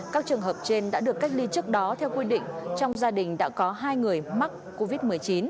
các trường hợp trên đã được cách ly trước đó theo quy định trong gia đình đã có hai người mắc covid một mươi chín